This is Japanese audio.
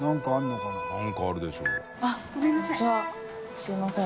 すいません。